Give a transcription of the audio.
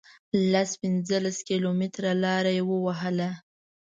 لس پنځلس کیلومتره لار یې ووهله.